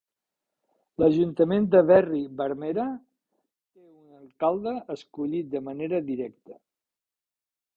L"ajuntament de Berri Barmera té un alcalde escollit de manera directa.